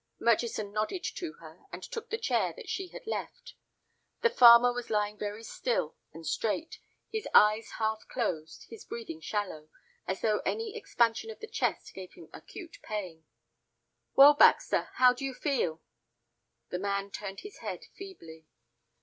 Murchison nodded to her, and took the chair that she had left. The farmer was lying very still and straight, his eyes half closed, his breathing shallow, as though any expansion of the chest gave him acute pain. "Well, Baxter, how do you feel?" The man turned his head feebly.